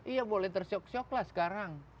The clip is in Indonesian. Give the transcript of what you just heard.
iya boleh tersyok syoklah sekarang